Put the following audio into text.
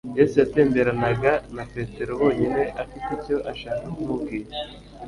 Yesu yatemberanaga na Petero bonyine afite icyo ashaka kumubwira :